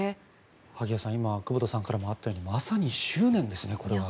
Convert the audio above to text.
萩谷さん、今久保田さんからもあったようにまさに執念ですね。